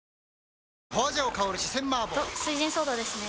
麻婆・と「翠ジンソーダ」ですね